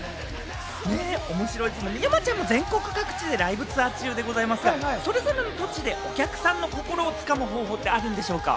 面白いですもんね、山ちゃんも全国各地でライブツアー中でございますが、それぞれの土地でお客さんの心を掴む方法ってあるんでしょうか？